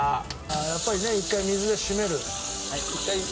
やっぱりね一回水で締める。